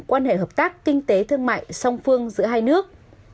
quan hệ hợp tác kinh tế thương mại song phương giữa hai nước